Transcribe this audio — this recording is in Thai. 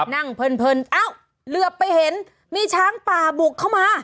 เพลินเอ้าเหลือไปเห็นมีช้างป่าบุกเข้ามา